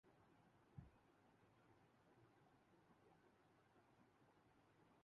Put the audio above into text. سی pack کے تحت شراکت داری میں خدمات فراہم کرنے چینی لا فرم کا وفد پاکستان پہنچ گیا